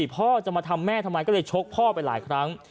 พ่อจะมาทำแม่ทำไมก็เลยชกพ่อไปหลายครั้ง